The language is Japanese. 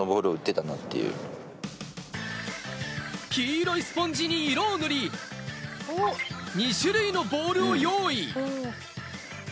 黄色いスポンジに色を塗り、２種類のボールを用意。